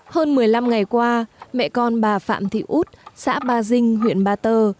hơn một mươi năm ngày qua mẹ con bà phạm thị út xã ba dinh huyện ba tơ